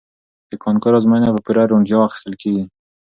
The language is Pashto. د کانکور ازموینه په پوره روڼتیا اخیستل کیږي.